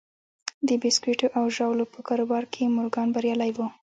د بیسکويټو او ژاولو په کاروبار کې مورګان بریالی و